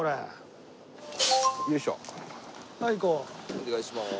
お願いします。